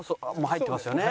入ってますね。